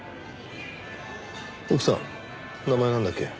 奥さん名前なんだっけ？